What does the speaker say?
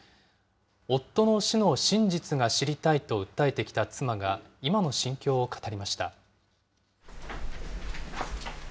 夫の死の真実が知りたいと訴えてきた妻が、今の心境を語りました。